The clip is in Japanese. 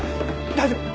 大丈夫！？